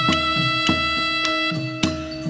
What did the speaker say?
กลับไปที่นี่